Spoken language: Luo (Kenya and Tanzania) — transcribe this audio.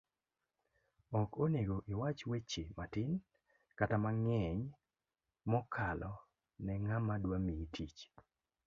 ok onego iwach weche matin kata mang'eny mokalo ne ng'ama dwamiyi tich